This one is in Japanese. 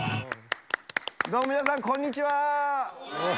どうも、皆さんこんにちは。